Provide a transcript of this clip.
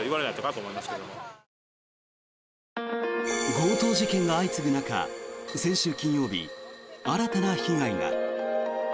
強盗事件が相次ぐ中先週金曜日、新たな被害が。